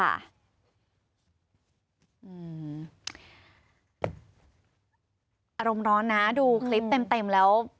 อารมณ์ร้อนนะดูคลิปเต็มแล้ว